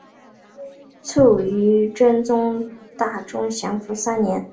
卒于真宗大中祥符三年。